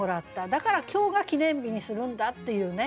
だから今日が記念日にするんだっていうね